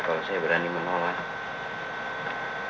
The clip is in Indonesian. kalau saya berani menolak